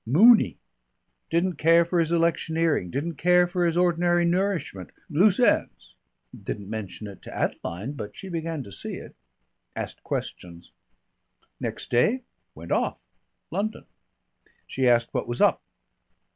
Mooney. Didn't care for his electioneering didn't care for his ordinary nourishment. Loose ends. Didn't mention it to Adeline, but she began to see it. Asked questions. Next day, went off. London. She asked what was up.